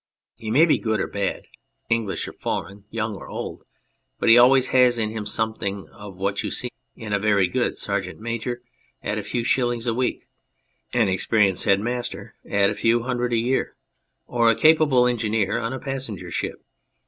He may be good or bad, English or foreign, young or old, but he always has in him something of what you see in a very good sergeant major at a few shillings a week, an experienced head master at a few hundreds a year, or a capable engineer on a passenger ship.